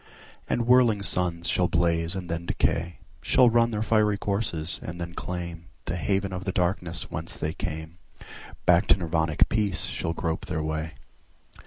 And whirling suns shall blaze and then decay, Shall run their fiery courses and then claimThe haven of the darkness whence they came; Back to Nirvanic peace shall grope their way.